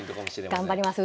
頑張ります。